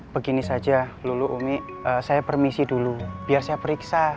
begini saja lulu umi saya permisi dulu biar saya periksa